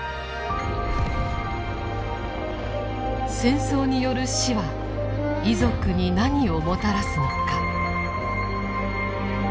「戦争による死」は遺族に何をもたらすのか。